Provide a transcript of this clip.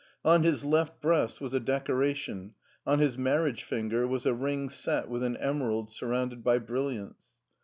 On his left breast was a decoration, on his marriage finger was a ring set with an emerald surrounded by brilliants.